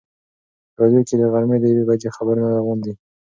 په راډیو کې د غرمې د یوې بجې خبرونه روان دي.